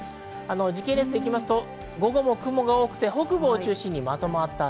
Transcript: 時系列でいうと午後も雲が多くて、北部を中心にまとまった雨。